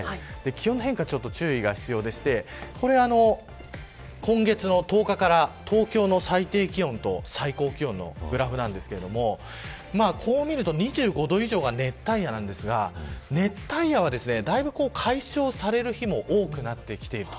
気温の変化に注意が必要でして今月の１０日から東京の最低気温と最高気温のグラフですがこう見ると２５度以上が熱帯夜ですが熱帯夜は、だいぶ解消される日も多くなってきている。